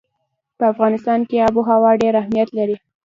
په افغانستان کې آب وهوا ډېر اهمیت لري.